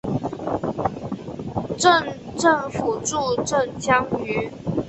镇政府驻镇江圩。